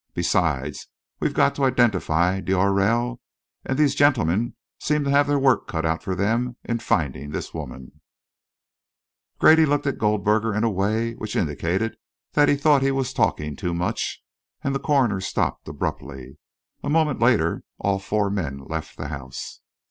Besides, we've got to identify d'Aurelle, and these gentlemen seem to have their work cut out for them in finding this woman " Grady looked at Goldberger in a way which indicated that he thought he was talking too much, and the coroner stopped abruptly. A moment later, all four men left the house.